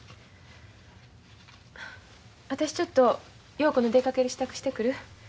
私ちょっと陽子の出かける支度してくる。